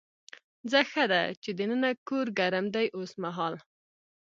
ځه ښه ده چې دننه کور ګرم دی اوسمهال.